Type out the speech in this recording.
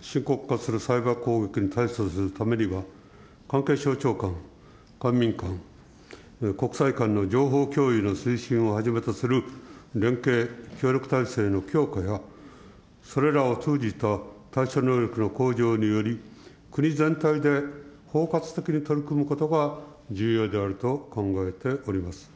深刻化するサイバー攻撃に対処するためには、関係省庁間、官民間、国際間の情報共有の推進をはじめとする連携、協力体制の強化や、それらを通じた対処能力の向上により、国全体で包括的に取り組むことが重要であると考えております。